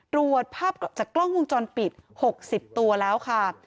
ตรวจภาพจากกล้องวงจรปิด๖๐ตัวแล้วค่ะ